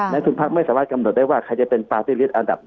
นายทุนพรรคไม่สามารถกำหนดได้ว่าใครจะเป็นปาร์ติฤทธิ์อันดับ๑๒๓๔๕๖๗๘๙๑๐